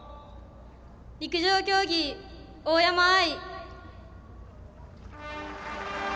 陸上競技、大山藍。